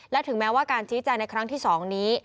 และถึงแม้ว่าการชี้แจงในครั้งที่๒นี้